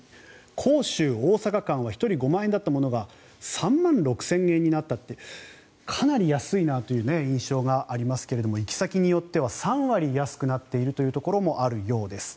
杭州大阪間は１人５万円だったものが３万６０００円になったというかなり安いなという印象がありますが行き先によっては３割安くなっているところもあるようです。